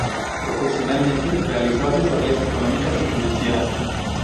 Profesionalmente realizó asesorías económicas y financieras.